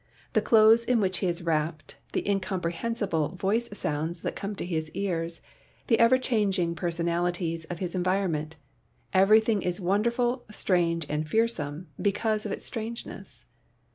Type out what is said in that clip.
The clothes in which he is wrapped, the incomprehensible voice sounds that come to his ears, the ever changing personalities of his environment — every thing is wonderful, strange and fearsome because of its strangeness.